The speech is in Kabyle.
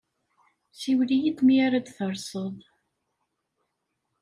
Siwel-iyi-d mi ara d-terseḍ.